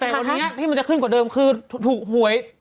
แต่วันนี้ที่มันจะขึ้นกว่าเดิมคือถูกหวย